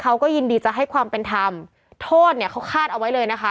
เขาก็ยินดีจะให้ความเป็นธรรมโทษเนี่ยเขาคาดเอาไว้เลยนะคะ